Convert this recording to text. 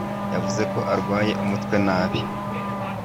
Yavuze ko arwaye umutwe nabi.